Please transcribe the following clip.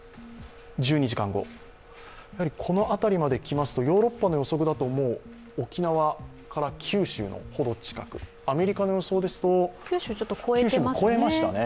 １２時間後、この辺りまで来ますと、ヨーロッパの予測だと、沖縄から九州のほど近く、アメリカの予想ですと、九州を越えましたね。